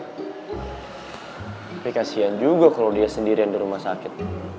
tapi kasian juga kalau dia sendirian di rumah sakit